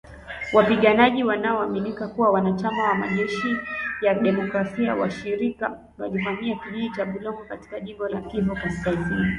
Wapiganaji wanaoaminika kuwa wanachama wa Majeshi ya demokrasia washirika walivamia kijiji cha Bulongo katika jimbo la Kivu kaskazini.